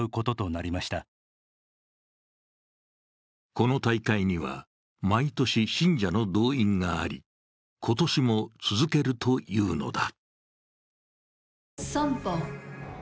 この大会には毎年、信者の動員があり、今年も続けるというのだ。